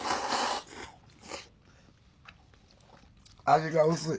味が薄い。